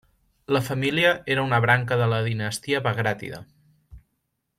La família era una branca de la dinastia Bagràtida.